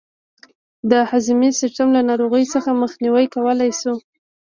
د هضمي سیستم له ناروغیو څخه مخنیوی کولای شو.